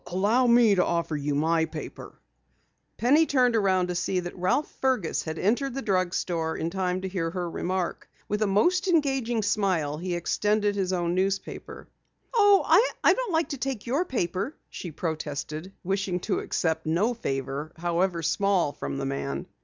"Allow me to offer you my paper." Penny turned around to see that Ralph Fergus had entered the drugstore in time to hear her remark. With a most engaging smile, he extended his own newspaper. "Oh, I don't like to take your paper," she protested, wishing to accept no favor however small from the man.